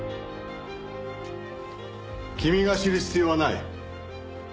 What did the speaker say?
君が知る必要はない。